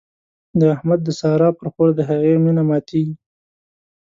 د احمد د سارا پر خور د هغې مينه ماتېږي.